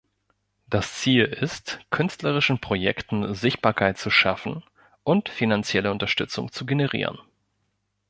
Das Ziel ist, künstlerischen Projekten Sichtbarkeit zu schaffen und finanzielle Unterstützung zu generieren.